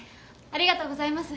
ありがとうございます。